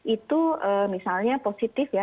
itu misalnya positif ya